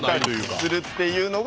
するっていうのが。